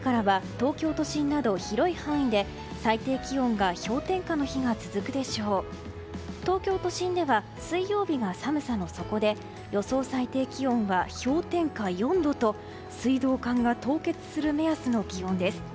東京都心では水曜日が寒さの底で予想最低気温は氷点下４度と水道管が凍結する目安の気温です。